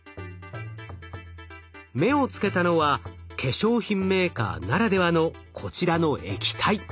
目をつけたのは化粧品メーカーならではのこちらの液体。